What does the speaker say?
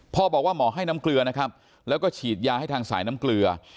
พ่อบอกว่าหมอให้น้ำเกลือนะครับแล้วก็ฉีดยาให้ทางสายน้ำเกลือ